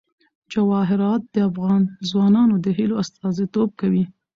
جواهرات د افغان ځوانانو د هیلو استازیتوب کوي.